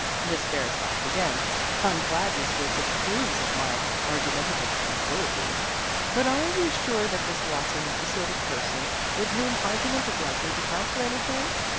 Miss Ferris laughed again. "I'm glad Miss Brooks approves of my argumentative ability, but are you sure that Miss Watson is the sort of person with whom argument is likely to count for anything?